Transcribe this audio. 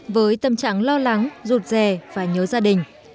với tâm trạng lo lắng rụt rè và nhớ gia đình